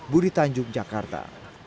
budi tanjung jakarta